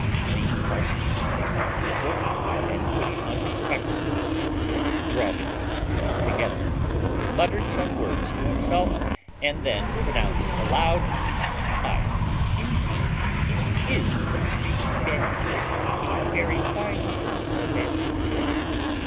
The parson, taking up the book, and putting on his spectacles and gravity together, muttered some words to himself, and then pronounced aloud "Ay, indeed, it is a Greek manuscript; a very fine piece of antiquity.